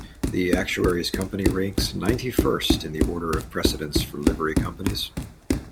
The Actuaries' Company ranks ninety-first in the order of precedence for Livery Companies.